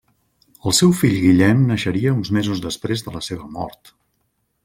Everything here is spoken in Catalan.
El seu fill Guillem naixeria uns mesos després de la seva mort.